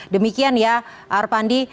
demikian ya arpandi